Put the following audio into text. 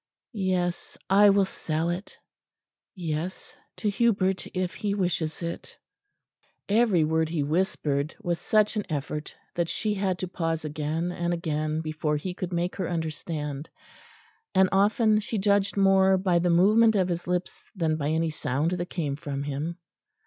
Yes, I will sell it.... Yes, to Hubert, if he wishes it." Every word he whispered was such an effort that she had to pause again and again before he could make her understand; and often she judged more by the movement of his lips than by any sound that came from him.